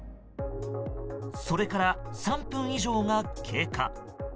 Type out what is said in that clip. それから３分以上が経過。